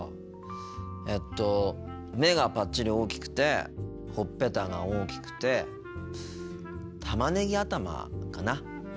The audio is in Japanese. えっと目がぱっちり大きくてほっぺたが大きくてたまねぎ頭かな？